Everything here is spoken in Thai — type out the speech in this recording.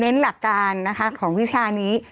หลักการนะคะของวิชานี้